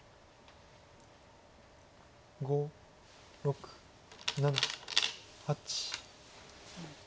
５６７８。